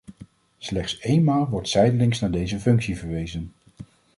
Slechts éénmaal wordt zijdelings naar deze functie verwezen.